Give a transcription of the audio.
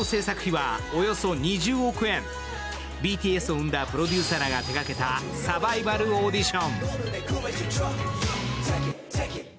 ＢＴＳを生んだプロデューサーらが手がけたサバイバルオーディション。